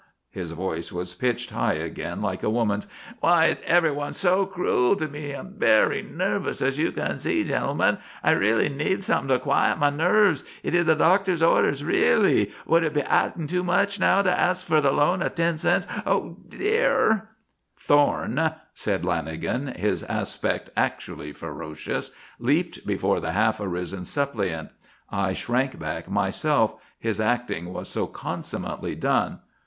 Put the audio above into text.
His voice was pitched high again like a woman's. "Why is everyone so cruel to me? I am very nervous, as you can see, gentlemen. I really need something to quiet my nerves. It is the doctor's orders, really. Would it be asking too much, now, to ask for the loan of ten cents? Oh, dear " "Thorne!" Lanagan, his aspect actually ferocious, leaped before the half arisen suppliant. I shrank back myself, his acting was so consummately done.